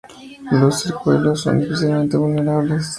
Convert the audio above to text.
Los ciruelos son especialmente vulnerables.